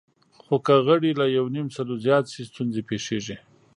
خو که غړي له یونیمسلو زیات شي، ستونزې پېښېږي.